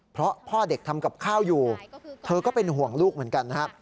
เพราะพ่อเด็กทำกับข้าวอยู่เธอก็เป็นห่วงลูกเหมือนกันนะครับ